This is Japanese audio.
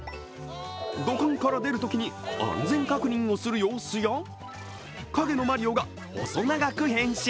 土管から出るときに安全確認をする様子や、かげのマリオが細長く変身。